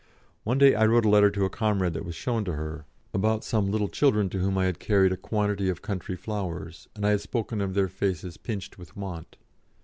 One day I wrote a letter to a comrade that was shown to her, about some little children to whom I had carried a quantity of country flowers, and I had spoken of their faces pinched with want.